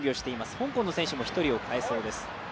香港の選手も１人を代えそうです。